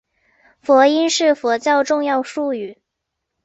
佛音是佛教重要术语。